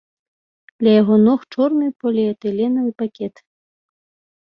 Ля яго ног чорны поліэтыленавы пакет.